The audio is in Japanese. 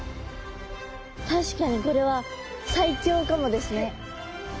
確かにこれは最強かもですね。